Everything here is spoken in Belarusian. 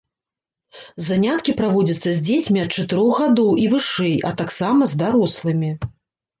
Заняткі праводзяцца з дзецьмі ад чатырох гадоў і вышэй, а таксама з дарослымі.